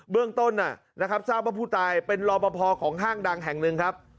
เรื่องต้นนะครับทราบว่าผู้ตายเป็นรอปภของห้างดังแห่งหนึ่งครับ